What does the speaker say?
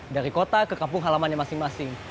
dari kota ke kampung halaman yang masing masing